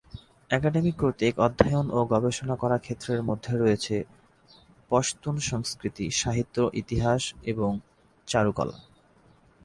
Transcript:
Academy কর্তৃক অধ্যয়ন ও গবেষণা করা ক্ষেত্রের মধ্যে রয়েছে পশতুন সংস্কৃতি, সাহিত্য, ইতিহাস এবং চারুকলা।